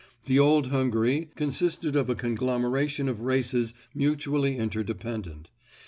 The old Hungary consisted of a conglomeration of races mutually inter dependent.